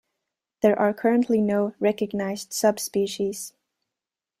There are currently no recognized subspecies.